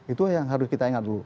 itu yang harus kita ingat dulu